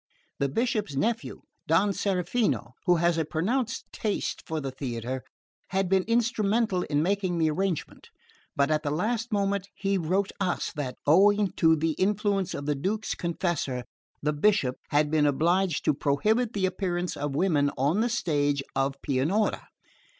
The Bishop's nephew, Don Serafino, who has a pronounced taste for the theatre, had been instrumental in making the arrangement; but at the last moment he wrote us that, owing to the influence of the Duke's confessor, the Bishop had been obliged to prohibit the appearance of women on the stage of Pianura.